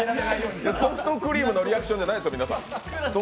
ソフトクリームのリアクションじゃないですよ。